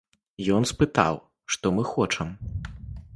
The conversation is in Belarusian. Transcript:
Ён спытаў, што мы хочам.